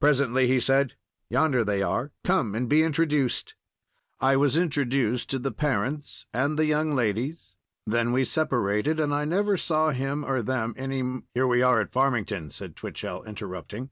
Presently he said, "Yonder they are; come and be introduced." I was introduced to the parents and the young ladies; then we separated, and I never saw him or them any m— "Here we are at Farmington," said Twichell, interrupting.